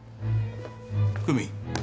久美。